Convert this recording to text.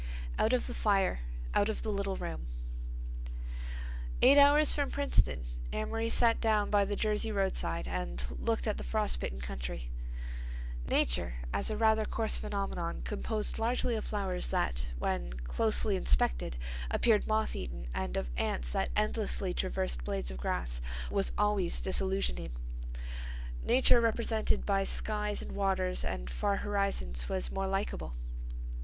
"OUT OF THE FIRE, OUT OF THE LITTLE ROOM" Eight hours from Princeton Amory sat down by the Jersey roadside and looked at the frost bitten country. Nature as a rather coarse phenomenon composed largely of flowers that, when closely inspected, appeared moth eaten, and of ants that endlessly traversed blades of grass, was always disillusioning; nature represented by skies and waters and far horizons was more likable.